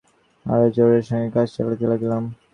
আমাদের দলটিকে লইয়া আমরা আরো জোরের সঙ্গে কাজ চালাইতে লাগিলাম।